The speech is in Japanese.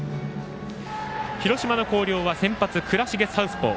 広島の広陵高校は先発倉重、サウスポー。